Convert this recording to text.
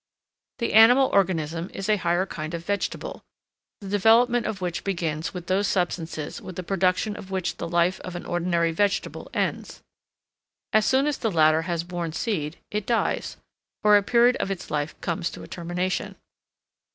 The animal organism is a higher kind of vegetable, the development of which begins with those substances with the production of which the life of an ordinary vegetable ends. As soon as the latter has borne seed, it dies, or a period of its life comes to a termination.